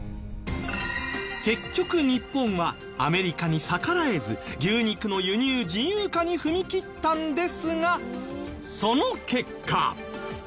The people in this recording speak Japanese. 結局日本はアメリカに逆らえず牛肉の輸入自由化に踏み切ったんですがその結果。